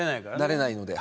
なれないので。